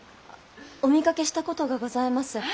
お見かけしたことがございます。